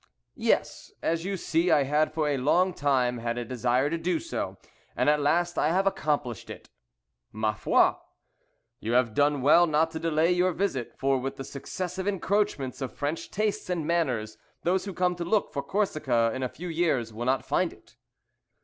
"Yes, as you see, I had for a long time had a desire to do so, and at last I have accomplished it." "Ma foi! you have done well not to delay your visit; for with the successive encroachments of French tastes and manners those who come to look for Corsica in a few years will not find it."